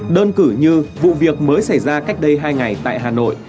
đơn cử như vụ việc mới xảy ra cách đây hai ngày tại hà nội